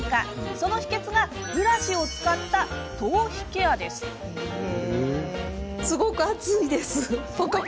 その秘けつがブラシを使った頭皮ケアです。